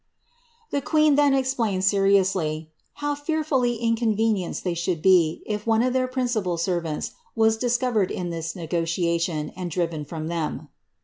The queen then explained seriously, ^^ how fearfully inconvenienced they should be if one of their principal servants was discovered in this negotiation, and driven from them.'